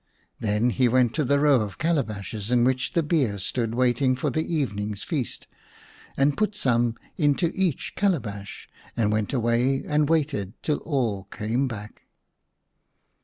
Then he went to the row of calabashes in which the beer stood waiting for the evening's feast, and put some into each calabash, and went away and waited till all came back.